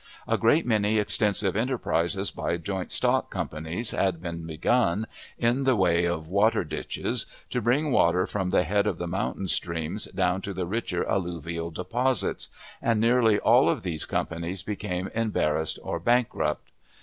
A great many extensive enterprises by joint stock companies had been begun, in the way of water ditches, to bring water from the head of the mountain streams down to the richer alluvial deposits, and nearly all of these companies became embarrassed or bankrupt.